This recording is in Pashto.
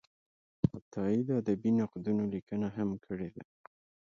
عطایي د ادبي نقدونو لیکنه هم کړې ده.